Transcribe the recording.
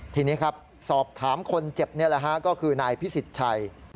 ทีนี้ครับสอบถามคนเจ็บนี่แหละฮะก็คือนายพิสิทธิ์ชัย